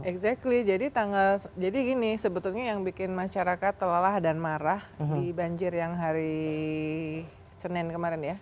exactly jadi tanggal jadi gini sebetulnya yang bikin masyarakat telahlah dan marah di banjir yang hari senin kemarin ya